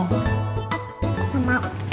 aku gak mau